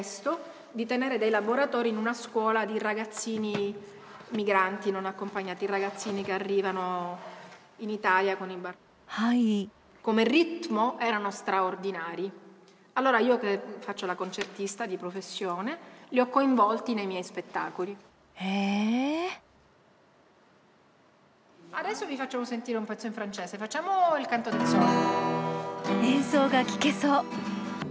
演奏が聴けそう。